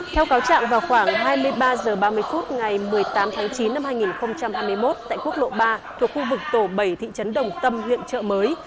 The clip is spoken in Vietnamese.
theo cáo trạng vào khoảng hai mươi ba h ba mươi phút ngày một mươi tám tháng chín năm hai nghìn hai mươi một tại quốc lộ ba thuộc khu vực tổ bảy thị trấn đồng tâm huyện trợ mới